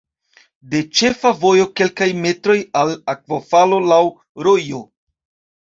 De ĉefa vojo kelkaj metroj al akvofalo laŭ rojo.